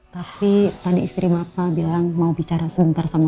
tapi tadi istri bapak bilang mau bicara sebentar sama